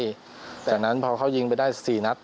จากนั้นพอเขายิงไปได้๔นัด